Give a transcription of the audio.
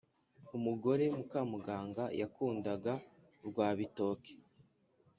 umugore mukamuganga yakundaga urwa bitoke.